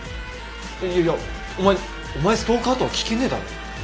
いやいや「お前お前ストーカー？」とは聞けねえだろ。